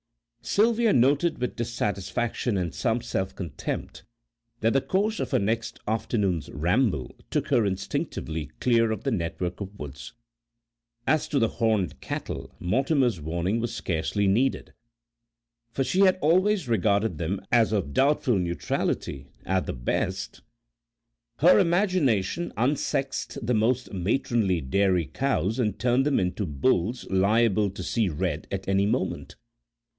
Sylvia noted with dissatisfaction and some self contempt that the course of her next afternoon's ramble took her instinctively clear of the network of woods. As to the horned cattle, Mortimer's warning was scarcely needed, for she had always regarded them as of doubtful neutrality at the best: her imagination unsexed the most matronly dairy cows and turned them into bulls liable to "see red" at any moment.